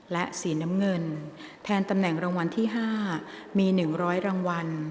และสีน้ำเงินแทนตำแหน่งรางวัลที่๕มี๑๐๐รางวัล